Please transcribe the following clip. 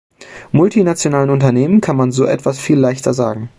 Multinationalen Unternehmen kann man so etwas viel leichter sagen.